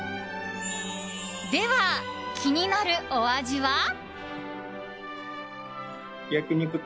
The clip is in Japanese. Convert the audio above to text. では、気になるお味は？